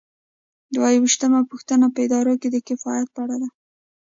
دوه ویشتمه پوښتنه په اداره کې د کفایت په اړه ده.